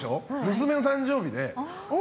娘の誕生日で。